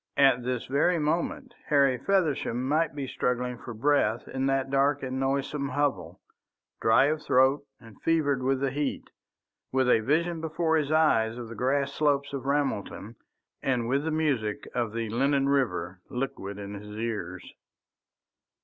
At this very moment Harry Feversham might be struggling for breath in that dark and noisome hovel, dry of throat and fevered with the heat, with a vision before his eyes of the grass slopes of Ramelton and with the music of the Lennon River liquid in his ears.